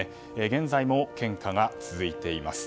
現在も献花が続いています。